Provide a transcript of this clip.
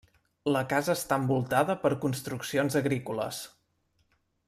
La casa està envoltada per construccions agrícoles.